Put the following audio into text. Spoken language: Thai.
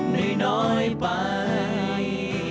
ในน้อยไป